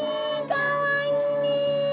かわいいね。